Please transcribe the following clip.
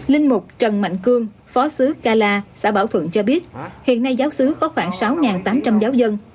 linh mục trần mạnh cương phó sứ kala xã bảo thuận cho biết hiện nay giáo sứ có khoảng sáu tám trăm linh giáo dân